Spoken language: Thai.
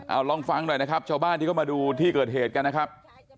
เอาลองฟังหน่อยนะครับชาวบ้านที่เข้ามาดูที่เกิดเหตุกันนะครับ